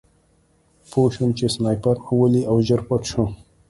پوه شوم چې سنایپر مې ولي او ژر پټ شوم